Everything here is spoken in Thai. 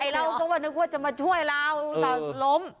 ไอ้เราต้องก็นึกว่าจะมาช่วยเราแต่ล้ม